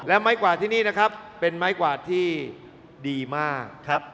และไม้กวาดที่นี่นะครับเป็นไม้กวาดที่ดีมากครับ